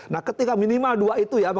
nah ketika minimal dua itu ya